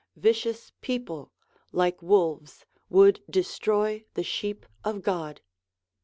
Vicious people, like wolves, would destroy the sheep of God.